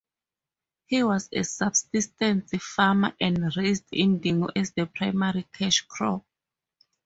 He was a subsistence farmer, and raised indigo as the primary cash crop.